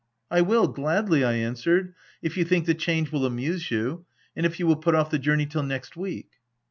u I will, gladly," I answered, " if you think the change will amuse you, and if you will put off the journey till next week."